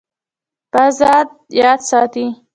پزه یاد ساتي.